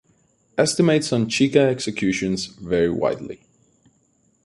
Estimates on Cheka executions vary widely.